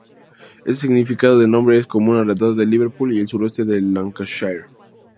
Este significado del nombre es común alrededor de Liverpool y el suroeste de Lancashire.